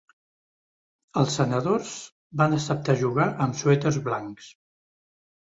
Els senadors van acceptar jugar amb suèters blancs.